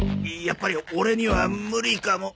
やっぱりオレには無理かも。